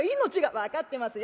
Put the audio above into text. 「分かってますよ。